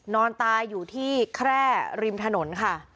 นอนตายอยู่ที่แคร่ริมถนนค่ะ